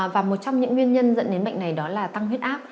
và một trong những nguyên nhân dẫn đến bệnh này đó là tăng huyết áp